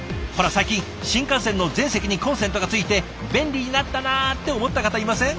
最近新幹線の全席にコンセントが付いて便利になったなって思った方いません？